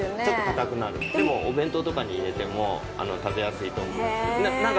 ちょっとかたくなるでもお弁当とかに入れても食べやすいと思います。